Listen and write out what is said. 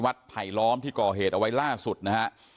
ไผลล้อมที่ก่อเหตุเอาไว้ล่าสุดนะฮะ